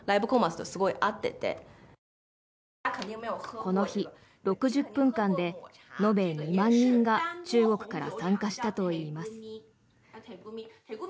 この日、６０分間で延べ２万人が中国から参加したといいます。